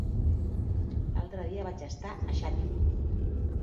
L'altre dia vaig estar a Xàtiva.